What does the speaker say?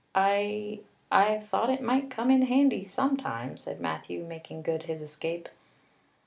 "I I thought it might come in handy sometime," said Matthew, making good his escape.